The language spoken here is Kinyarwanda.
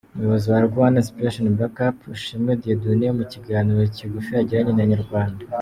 Umuyobozi wa Rwanda Inspiration Backup, Ishimwe Dieudonne mu kiganiro kigufi yagiranye na Inyarwanda.